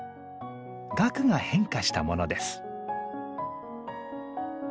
萼が変化したものです。